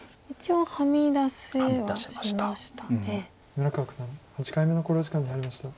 村川九段８回目の考慮時間に入りました。